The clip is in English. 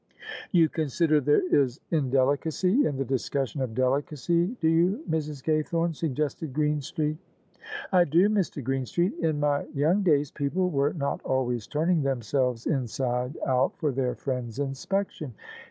"You consider there is indelicacy in the discussion of delicacy, do you, Mrs. Gaythorne?" suggested Greenstreet. THE SUBJECTION " I do, Mr. Greenstreet. In my young days people were not always turning themselves inside out for their friends' inspection."